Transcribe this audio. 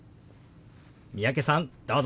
三宅さんどうぞ。